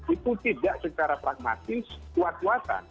itu tidak secara pragmatis kuat kuatan